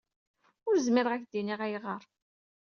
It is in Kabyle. Ur zmireɣ ad k-d-iniɣ ayɣer.